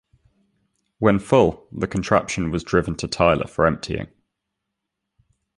When full, the contraption was driven to Tyler for emptying.